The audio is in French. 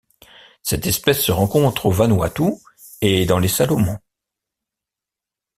Cette espèce se rencontre aux Vanuatu et dans les Salomon.